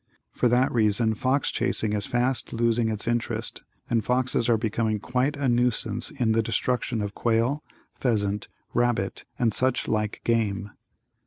For that reason fox chasing is fast losing its interest and foxes are becoming quite a nuisance in the destruction of quail, pheasant, rabbit and such like game.